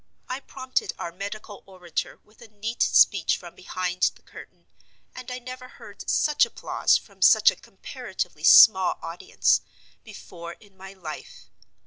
I prompted our medical orator with a neat speech from behind the curtain; and I never heard such applause, from such a comparatively small audience, before in my life.